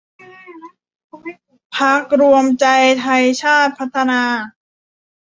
พรรครวมใจไทยชาติพัฒนา